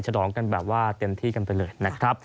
ฉลองกันแบบว่าเต็มที่กันไปเลยนะครับ